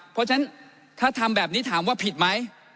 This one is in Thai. เพราะฉะนั้นถ้าทำแบบนี้ถามว่าผิดไหม